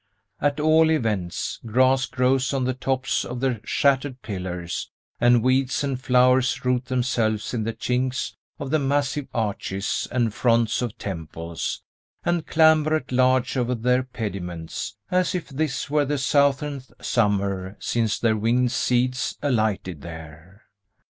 At all events, grass grows on the tops of the shattered pillars, and weeds and flowers root themselves in the chinks of the massive arches and fronts of temples, and clamber at large over their pediments, as if this were the thousandth summer since their winged seeds alighted there.